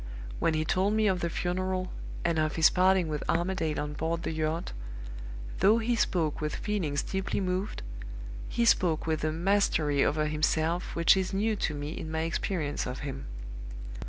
When he told me of the funeral, and of his parting with Armadale on board the yacht, though he spoke with feelings deeply moved, he spoke with a mastery over himself which is new to me in my experience of him.